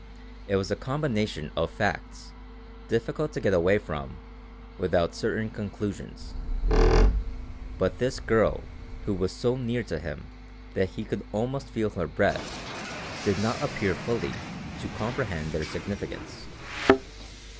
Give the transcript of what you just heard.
It was a combination of facts difficult to get away from without certain conclusions, but this girl who was so near to him that he could almost feel her breath did not appear fully to comprehend their significance.